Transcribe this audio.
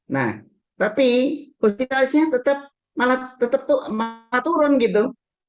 nah tapi hospitalisasi tetap malah turun gitu